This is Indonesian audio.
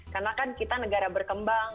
karena kan kita negara berkembang